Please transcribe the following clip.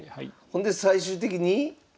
ほんで最終的に？